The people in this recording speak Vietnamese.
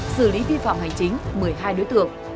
xử lý vi phạm hành chính một mươi hai đối tượng